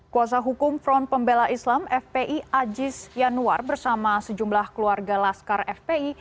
kuasa hukum front pembela islam fpi ajis yanuar bersama sejumlah keluarga laskar fpi